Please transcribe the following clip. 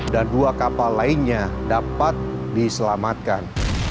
dan dua kapal lainnya dapat diselamatkan